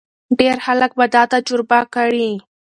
ډېر خلک به دا تجربه کړي.